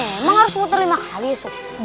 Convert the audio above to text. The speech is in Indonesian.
emang harus muter lima kali ya sob